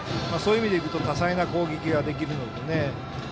そういう意味でいくと多彩な攻撃ができるのでね。